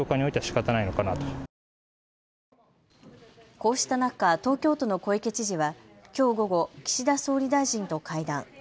こうした中、東京都の小池知事はきょう午後、岸田総理大臣と会談。